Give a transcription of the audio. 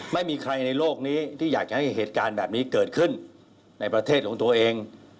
ไม่มีใครในโลกนี้ที่อยากจะให้เหตุการณ์แบบนี้เกิดขึ้นในประเทศของตัวเอง